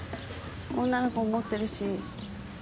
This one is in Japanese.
女の子も持ってるし。